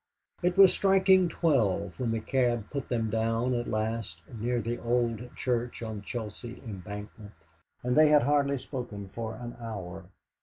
It was striking twelve when the cab put them down at last near the old church on Chelsea Embankment, and they had hardly spoken for an hour.